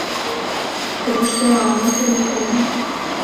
Кӧргыштем ала-мо кӱрлын каен.